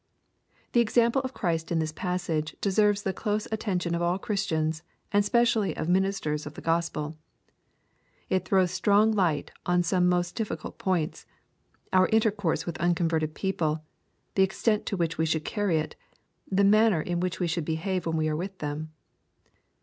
The example of Christ in this passage deserves the close attention of all Chri8tian8,and specially of ministers of the Grospel. It throws strong light on some most diffi cult points, — our intercourse with unconverted people.— the extent to which we should carrv it, — the manner in which we should behave when we are with them.